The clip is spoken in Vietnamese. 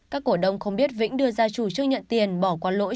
các cổ đông không biết vĩnh đưa ra chủ trương nhận tiền bỏ qua lỗi